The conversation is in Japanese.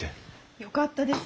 よかったです。